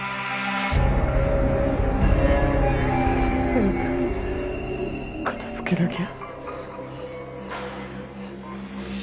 早く片付けなきゃ。